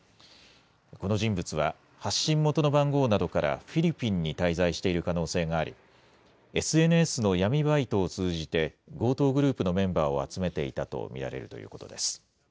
この人物は、発信元の番号などからフィリピンに滞在している可能性があり、ＳＮＳの闇バイトを通じて、強盗グループのメンバーを集めていたと見られるということです。